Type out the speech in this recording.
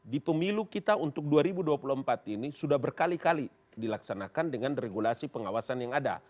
di pemilu kita untuk dua ribu dua puluh empat ini sudah berkali kali dilaksanakan dengan regulasi pengawasan yang ada